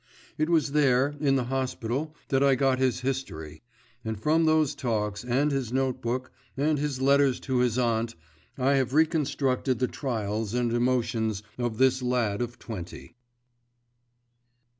It was there in the hospital that I got his history; and from those talks, and his notebook, and his letters to his aunt, I have reconstructed the trials and emotions of this lad of twenty.